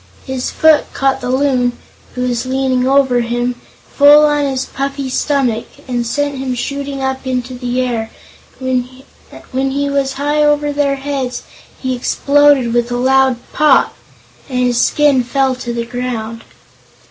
His foot caught the Loon who was leaning over him full on his puffy stomach, and sent him shooting up into the air. When he was high over their heads he exploded with a loud "pop" and his skin fell to the ground.